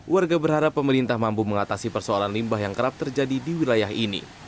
warga berharap pemerintah mampu mengatasi persoalan limbah yang kerap terjadi di wilayah ini